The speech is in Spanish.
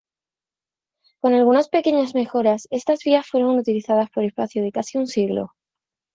Con algunas pequeñas mejoras estas vías fueron utilizadas por espacio de casi un siglo.